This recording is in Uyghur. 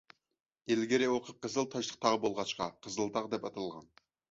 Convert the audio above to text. ئىلگىرى ئۇ قىپقىزىل تاشلىق تاغ بولغاچقا، «قىزىلتاغ» دەپ ئاتالغان.